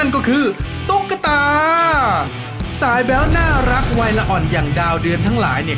ก็คือตุ๊กตาสายแบ๊วน่ารักวัยละอ่อนอย่างดาวเดือนทั้งหลายเนี่ย